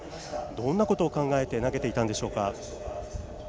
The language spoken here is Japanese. どんなことを考えて投げていたんでしょうか。